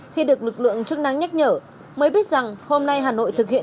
khi được lực lượng ghi nhận các bán hàng rong vẫn tụ tập